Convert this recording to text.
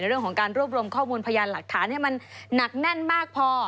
เรื่องของการรวบรวมข้อมูลพยานหลักฐานให้มันหนักแน่นมากพอ